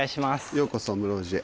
ようこそ室生寺へ。